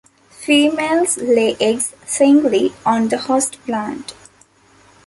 Females lay eggs singly on the host plant.